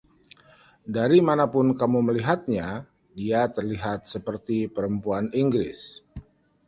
Dari manapun kamu melihatnya, dia terlihat seperti perempuan Inggris.